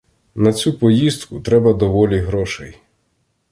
На цю поїздку треба доволі грошей.